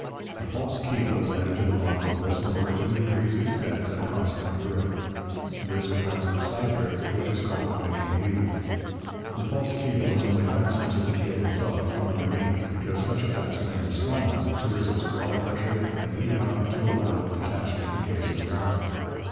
A false keel is added to the bottom of this in order to increase its depth and consequent grip. This prevents the side drift which is called making leeway. The false keel is only fastened to the keel itself from underneath, because such a fastening is strong enough to resist water pressure and weak enough to allow of detachment in case of grounding.